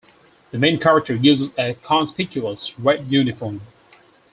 The main character uses a conspicuous red uniform.